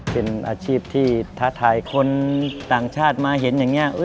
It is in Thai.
เป็นอาชีพที่ท้าทายคนต่างชาติมาเห็นอย่างนี้